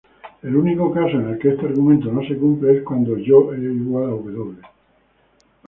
El único caso en el que este argumento no se cumple es cuando yo=w.